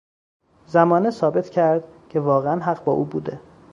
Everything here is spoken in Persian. زمانه ثابت کرد که واقعا حق با او بوده.